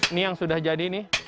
ini yang sudah jadi nih